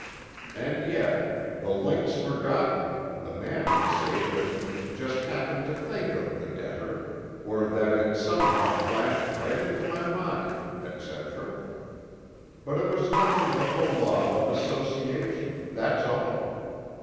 And yet, the links forgotten, the man will say that he "just happened to think of" the debtor, or that "it somehow flashed right into my mind," etc. But it was nothing but the law of association that's all.